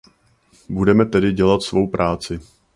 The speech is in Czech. Budeme tedy dělat svou práci.